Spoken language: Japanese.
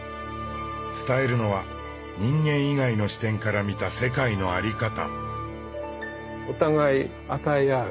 伝えるのは人間以外の視点から見た世界の在り方。